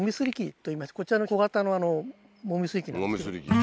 こちらの小型の籾すり機なんですけど。